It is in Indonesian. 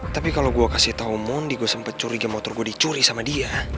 tapi kalo gua kasih tau moni gua sempet curiga motor gua dicuri sama dia